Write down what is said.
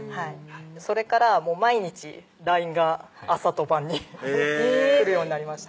それから毎日ＬＩＮＥが朝と晩に来るようになりました